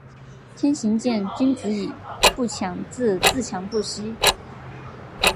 天行健，君子以不强自……自强不息。